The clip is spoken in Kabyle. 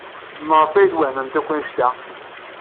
Maɣef ay twehmemt akk anect-a?